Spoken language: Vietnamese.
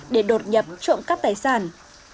để đột nhập vào phòng